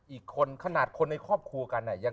อีกคนขนาดคนในครอบครัวกัน